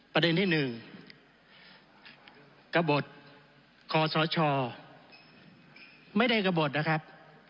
ประเด็นที่๑กระบดคอสชไม่ได้กระบดนะครับ